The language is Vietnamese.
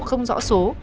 không rõ số